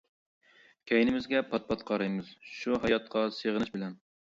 كەينىمىزگە پات-پات قارايمىز، شۇ ھاياتقا سېغىنىش بىلەن.